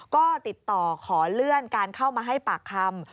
ก็ติดต่อขอเลื่อนการเข้ามาให้ปากคำ